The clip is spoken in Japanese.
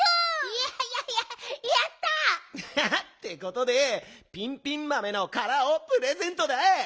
いやいやいややった！ってことでピンピンまめのからをプレゼントだ！